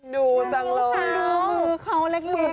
ดูมือเขาแร็กนอน